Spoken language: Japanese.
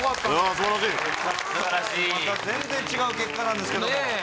素晴らしいまた全然違う結果なんですけどもねえ